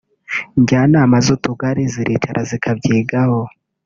njyanama z’utugari ziricira zikabyigaho